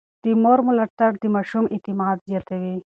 د مور ملاتړ د ماشوم اعتماد زياتوي.